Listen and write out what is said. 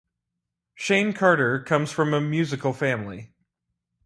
Shayne Carter comes from a musical family.